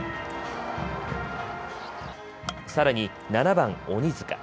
さらに、７番・鬼塚。